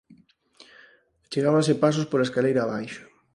Achegábanse pasos pola escaleira abaixo.